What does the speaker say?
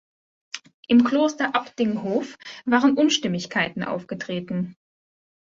Im Kloster Abdinghof waren Unstimmigkeiten aufgetreten.